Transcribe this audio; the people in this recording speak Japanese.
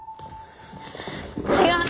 違う！